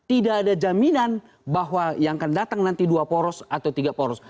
tidak ada jaminan bahwa yang akan datang nanti dua poros atau tiga poros